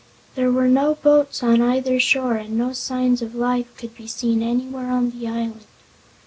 There were no boats on either shore and no signs of life could be seen anywhere on the island.